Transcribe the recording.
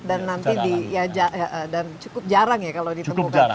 dan cukup jarang ya kalau ditemukan